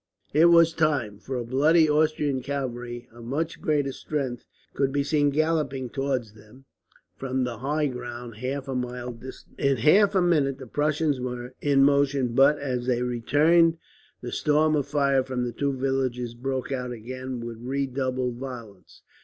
It was time, for a body of Austrian cavalry, of much greater strength, could be seen galloping towards them from the high ground half a mile distant. In half a minute the Prussians were in motion but, as they returned, the storm of fire from the two villages burst out again with redoubled violence.